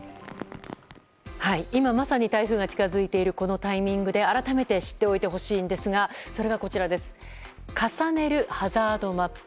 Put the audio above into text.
今まさに台風が近づいているこのタイミングで改めて知っておいてほしいんですがそれが、こちらの重ねるハザードマップ。